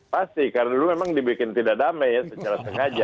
pasti karena dulu memang dibikin tidak damai ya secara sengaja